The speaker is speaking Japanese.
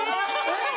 えっ？